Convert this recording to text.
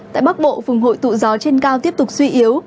tại bắc bộ vùng hội tụ gió trên cao tiếp tục suy yếu